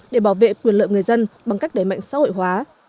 để bảo vệ quyền lợi người dân bằng cách đẩy mạnh xã hội hóa